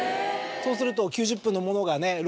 そうすると９０分のものがね